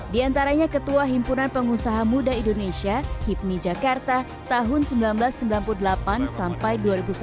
di antaranya ketua himpunan pengusaha muda indonesia hipmi jakarta tahun seribu sembilan ratus sembilan puluh delapan sampai dua ribu satu